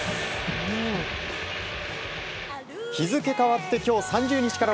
日付変わって今日３０日から